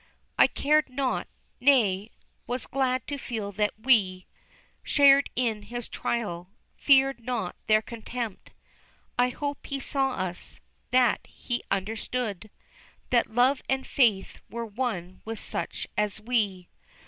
I cared not, nay, was glad to feel that we Shared in his trial, feared not their contempt, I hope He saw us, that He understood That love and faith were one with such as we.